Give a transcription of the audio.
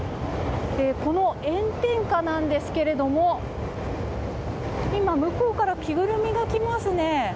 この炎天下なんですが今向こうから着ぐるみが来ますね。